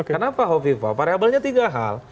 kenapa kovifah parabelnya tiga hal